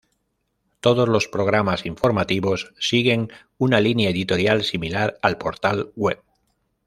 Todos los programas informativos siguen una línea editorial similar al portal web.